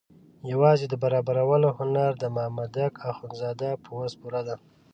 یوازې د برابرولو هنر د مامدک اخندزاده په وس پوره ده.